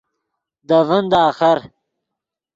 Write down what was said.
دے ڤین دے آخر